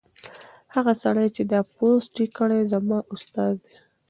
هغه سړی چې دا پوسټ یې کړی زما استاد دی.